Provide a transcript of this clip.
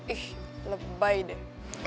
ih lebay deh